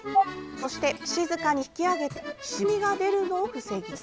そして、静かに引き上げて渋みが出るのを防ぎます。